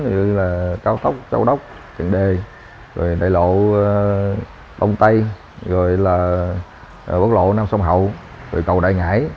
như là cao tốc châu đốc trần đề đại lộ đông tây bốc lộ nam sông hậu cầu đại ngãi